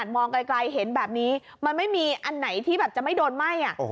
มันไม่มีอันไหนที่แบบจะไม่โดนไหม้